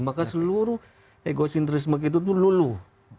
maka seluruh egosintrisme itu luluh